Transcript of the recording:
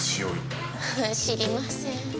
知りません。